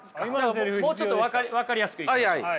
もうちょっと分かりやすくいきますね。